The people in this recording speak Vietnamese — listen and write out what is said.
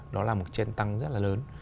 đó là một trend tăng rất là lớn